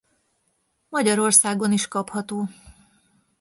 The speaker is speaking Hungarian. Magyarországon is kapható.